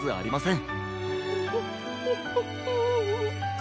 ん？